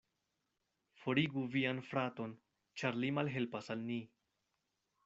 Forigu vian fraton, ĉar li malhelpas al ni.